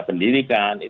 seperti di indonesia